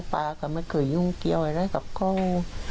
ป้าก็ไม่เคยยุ่งเกี่ยวอะไรกับเขา